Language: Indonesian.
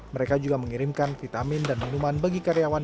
mereka juga mengirimkan vitamin dan minuman bagi karyawan